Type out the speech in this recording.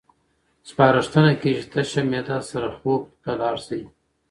سپارښتنه کېږي تشه معده سره خوب ته لاړ شئ.